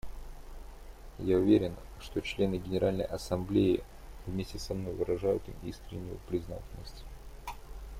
Я уверен, что члены Генеральной Ассамблеи вместе со мной выражают им искреннюю признательность.